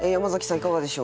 いかがでしょう？